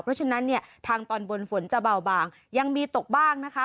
เพราะฉะนั้นเนี่ยทางตอนบนฝนจะเบาบางยังมีตกบ้างนะคะ